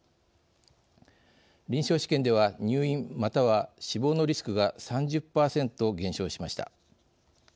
臨床試験では入院または死亡のリスクが３０％減少しました。